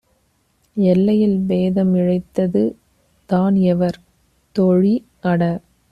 எல்லையில் பேதம் இழைத்தது தான் எவர்? தோழி - அட